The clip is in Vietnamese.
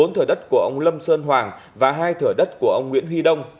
bốn thửa đất của ông lâm sơn hoàng và hai thửa đất của ông nguyễn huy đông